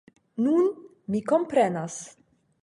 Nun, mi komprenas.